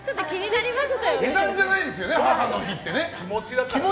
値段じゃないですよね、母の日は。